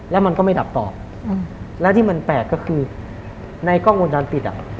แล้วมันก็ไม่ดับต่อแล้วที่มันแปลกก็คือในกล้องวงจรปิดอ่ะ